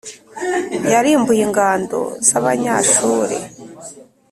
Yarimbuye ingando z’Abanyashuru,